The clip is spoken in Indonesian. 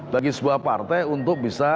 bagi sebuah partai untuk bisa